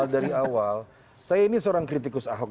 dari awal saya ini seorang kritikus ahok